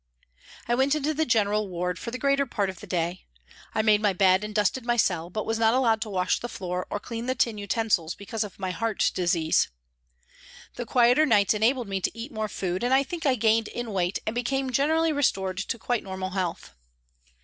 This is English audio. I went into the general ward for the greater part of the day. I made my bed and dusted my cell, but was not allowed to wash the floor or clean the tin utensils because of my " heart disease." The quieter nights enabled me to eat more food, and I think I gained in weight and became generally restored to quite normal health.